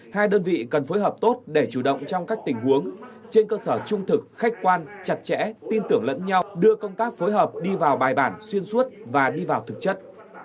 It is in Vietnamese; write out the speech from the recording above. hai đơn vị cần phối hợp tốt để chủ động trong các tình huống trên cơ sở trung thực khách quan chặt chẽ tin tưởng lẫn nhau đưa công tác phối hợp đi vào bài bản xuyên suốt và đi vào thực chất